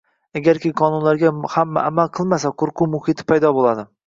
Agarki qonunlarga hamma amal qilmasa, qo‘rquv muhiti paydo bo‘ladi.